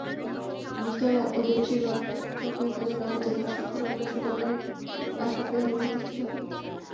মিসরের অধিবাসিগণ তখন তাদের নবজাতক সন্তান ও পশুপালের শোকে অভিভূত ছিল।